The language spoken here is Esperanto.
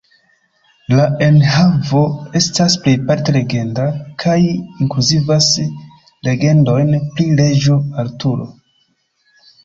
La enhavo estas plejparte legenda, kaj inkluzivas legendojn pri Reĝo Arturo.